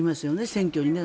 選挙にね。